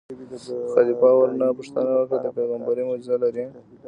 خلیفه ورنه پوښتنه وکړه: د پېغمبرۍ معجزه لرې.